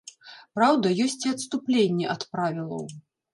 Праўда, ёсць і адступленні ад правілаў.